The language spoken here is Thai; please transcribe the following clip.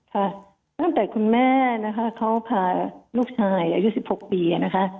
ค่ะตั้งแต่คุณแม่นะคะเขาพาลูกชายอายุ๑๖ปีนะคะ